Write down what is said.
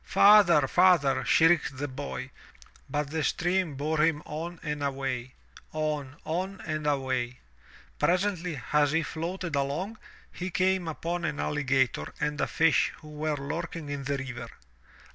*' "Father, Father," shrieked the boy, but the stream bore him on and away, on, on and away. Presently, as he floated along, he came upon an alligator and a fish who were lurking in the river.